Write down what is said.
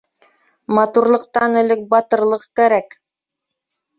Матурлыҡтан элек батырлыҡ кәрәк.